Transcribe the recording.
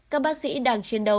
các bác sĩ đang chiến đấu